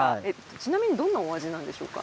ちなみにどんなお味なんでしょうか？